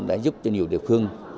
đã giúp cho nhiều địa phương